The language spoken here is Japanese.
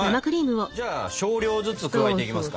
じゃあ少量ずつ加えていきますか。